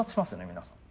皆さん。